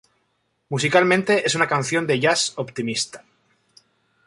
Musicalmente, es una canción de jazz optimista.